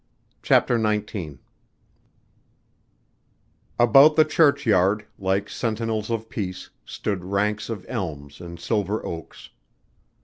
CHAPTER XIX About the churchyard, like sentinels of peace, stood ranks of elms and silver oaks.